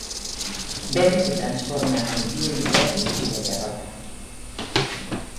Berry se transforma en Mew Berry, y lo derrota.